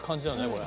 これ。